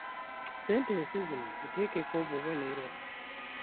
Sentensi zino zitekeko obubonero .